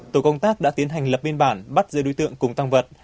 tổ công tác đã tiến hành lập biên bản bắt giữ đối tượng cùng tăng vật